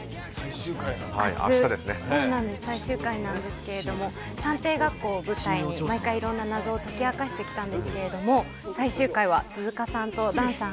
明日、最終回なんですが探偵学校を舞台に毎回、いろんな謎を解き明かしてきたんですが最終回は鈴鹿さんと檀さん